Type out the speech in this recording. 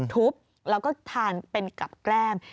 ทุบแล้วก็ทานเป็นกับแกล้ม